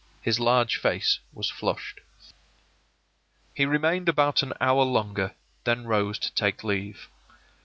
His large face was flushed. He remained about an hour longer, then rose to take leave.